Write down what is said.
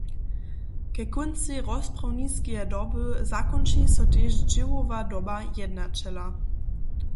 Ke kóncej rozprawniskeje doby zakónči so tež dźěłowa doba jednaćela.